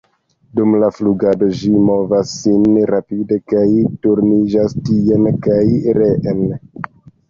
Dum flugado ĝi movas sin rapide kaj turniĝas tien kaj reen.